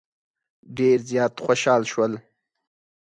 ډېر زیات خوشال شول.